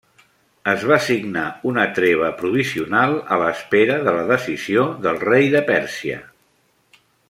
Es va signar una treva provisional a l'espera de la decisió del rei de Pèrsia.